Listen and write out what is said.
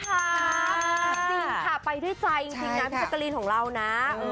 จริงค่ะไปด้วยใจจริงนะพี่แจกรีนของเรานะ